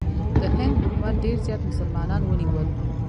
د هند حکومت ډېر زیات مسلمانان ونیول.